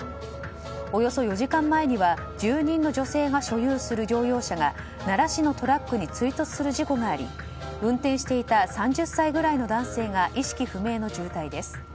およそ４時間前には住人の女性が所有する乗用車が奈良市のトラックに追突する事故があり運転していた３０歳ぐらいの男性が意識不明の重体です。